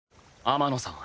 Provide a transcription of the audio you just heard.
天野さん